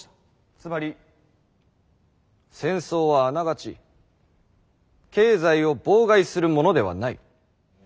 つまり戦争はあながち経済を妨害するものではない。